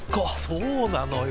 そうなのよ。